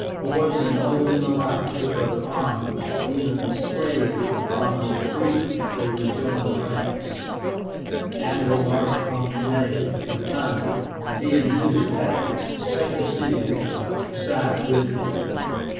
Boys and old men alike took up arms even the slaves were promised freedom if they would join the ranks. Hannibal marched from Cannae into Campania. He induced Capua, the second city of Italy, to side with him.